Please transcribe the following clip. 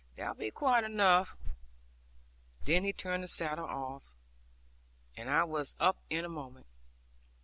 That will be quite enough.' Then he turned the saddle off, and I was up in a moment.